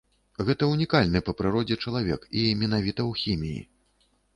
Гэта ўнікальны па прыродзе чалавек, і менавіта ў хіміі.